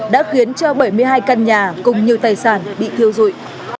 đã khiến cho bảy mươi hai căn nhà cùng nhiều tài sản bị thiêu rụi